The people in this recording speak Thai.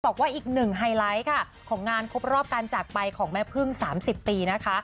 บอกว่าอีกหนึ่งไฮไลท์ค่ะของงานครบรอบการจากไปของแม่พึ่ง๓๐ปีนะคะ